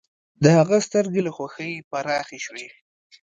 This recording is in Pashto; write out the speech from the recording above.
د هغه سترګې له خوښۍ پراخې شوې